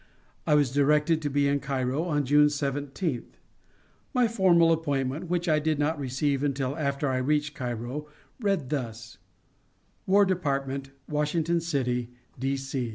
I was directed to be in Cairo on June 17th. My formal appointment, which I did not receive until after I reached Cairo, read thus: WAR DEPARTMENT, WASHINGTON CITY, D.C.